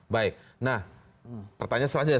baik nah pertanyaan selanjutnya